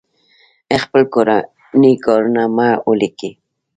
خپل کورني کارونه مو وليکئ!